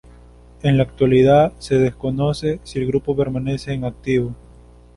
En la actualidad se desconoce si el grupo permanece en activo.